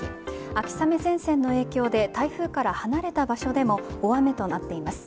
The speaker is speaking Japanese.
秋雨前線の影響で台風から離れた場所でも大雨となっています。